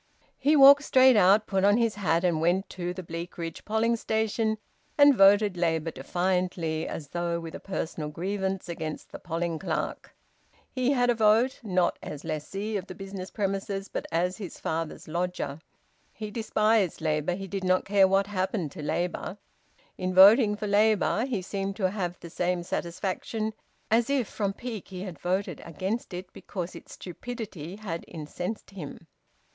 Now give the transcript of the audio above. He walked straight out, put on his hat, and went to the Bleakridge polling station and voted Labour defiantly, as though with a personal grievance against the polling clerk. He had a vote, not as lessee of the business premises, but as his father's lodger. He despised Labour; he did not care what happened to Labour. In voting for Labour, he seemed to have the same satisfaction as if from pique he had voted against it because its stupidity had incensed him.